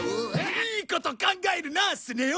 いいこと考えるなスネ夫！